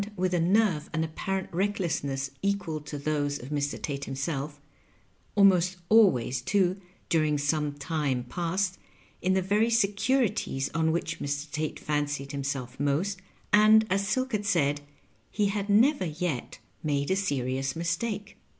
193 mth a nerve and apparent recklessness equal to those of Mr. Tate himself — almost always, too, during some time past, in the very securities on which Mr. Tate fancied himself most, and, as Silk had said, he had never yet made a serious mistake.